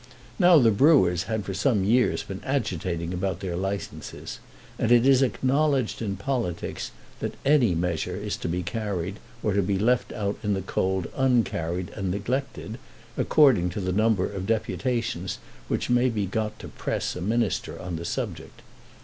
Now the Brewers had for some years been agitating about their licences, and it is acknowledged in politics that any measure is to be carried, or to be left out in the cold uncarried and neglected, according to the number of deputations which may be got to press a Minister on the subject.